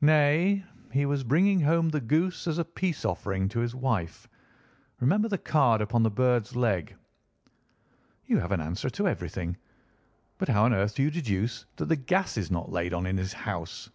"Nay, he was bringing home the goose as a peace offering to his wife. Remember the card upon the bird's leg." "You have an answer to everything. But how on earth do you deduce that the gas is not laid on in his house?"